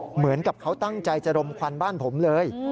เหมือนกับเขาตั้งใจจะรมควันบ้านผมเลย